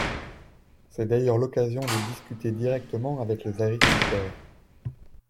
C’est d’ailleurs l’occasion de discuter directement avec les agriculteurs.